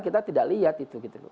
kita tidak lihat itu